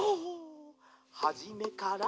「はじめから」